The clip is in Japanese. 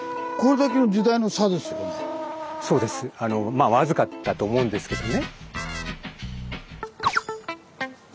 まあ僅かだと思うんですけどね。